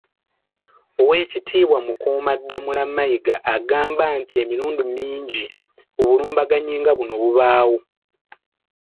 Oweekitiibwa Mukuumaddamula Mayiga agamba nti emirundi mingi obulumbaganyi nga buno bubaawo .